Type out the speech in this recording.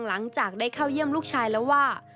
หลังจากได้เข้าเยี่ยมลูกชายแล้วว่า